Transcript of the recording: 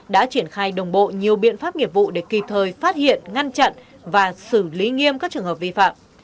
đã triển khai đồng bộ nhiều biện pháp nghiệp vụ để kịp thời phát hiện ngăn chặn và xử lý nghiêm các trường hợp vi phạm